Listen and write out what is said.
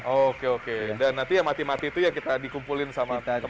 oke oke dan nanti yang mati mati itu yang kita dikumpulin sama teman teman